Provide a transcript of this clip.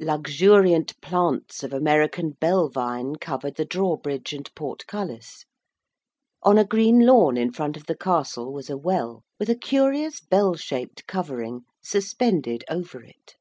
Luxuriant plants of American bell vine covered the drawbridge and portcullis. On a green lawn in front of the castle was a well, with a curious bell shaped covering suspended over it.